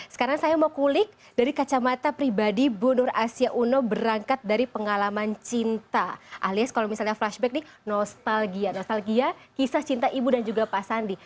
sekarang saya mau kulik dari kacamata pribadi bu nur asia uno berangkat dari pengalaman cinta alias kalau misalnya flashback nih nostalgia nostalgia kisah cinta ibu dan juga pak sandi